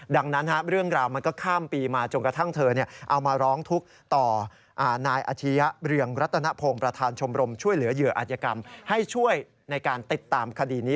ดังนั้นเรื่องราวมันก็ข้ามปีมาจนกระทั่งเธอเอามาร้องทุกข์ต่อนายอาชียะเรืองรัตนพงศ์ประธานชมรมช่วยเหลือเหยื่ออาจยกรรมให้ช่วยในการติดตามคดีนี้